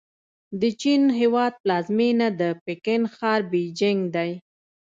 د چین هېواد پلازمېنه د پکن ښار بیجینګ دی.